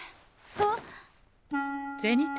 あっ。